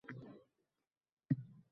Uy egasi tinmay yig‘lardi